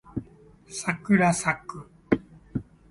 さくらさく